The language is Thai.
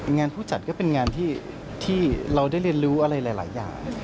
งานผู้จัดก็เป็นงานที่เราได้เรียนรู้อะไรหลายอย่าง